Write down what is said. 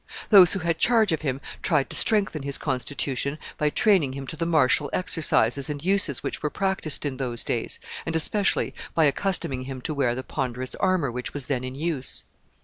Those who had charge of him tried to strengthen his constitution by training him to the martial exercises and usages which were practiced in those days, and especially by accustoming him to wear the ponderous armor which was then in use.